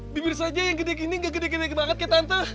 bibir saja yang gede gini gak gede gede banget tante